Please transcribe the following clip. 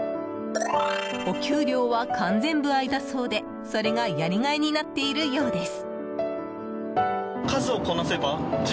お給料は完全歩合だそうでそれがやりがいになっているようです。